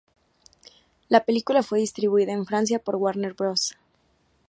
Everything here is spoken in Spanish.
La película fue distribuida en Francia por Warner Bros.